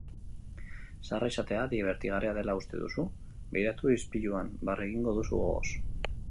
Zaharra izatea dibertigarria dela uste duzu? Begiratu ispiluan, barre egingo duzu gogoz.